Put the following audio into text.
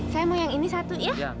saya mau yang ini satu ya